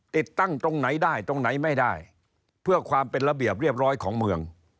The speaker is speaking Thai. ติดตั้งตรงไหนได้ตรงไหนไม่ได้เพื่อความเป็นระเบียบเรียบร้อยของเมือง